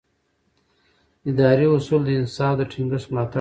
اداري اصول د انصاف د ټینګښت ملاتړ کوي.